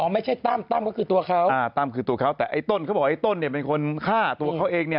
ตั้มตั้มก็คือตัวเขาตั้มคือตัวเขาแต่ไอ้ต้นเขาบอกว่าไอ้ต้นเนี่ยเป็นคนฆ่าตัวเขาเองเนี่ย